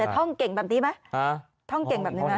ทำไม